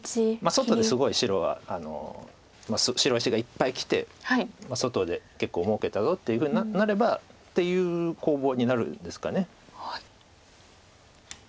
外ですごい白は白石がいっぱいきて外で結構もうけたぞっていうふうになればっていう攻防になるんですか。